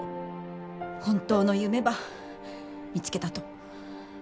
本当の夢ば見つけたと。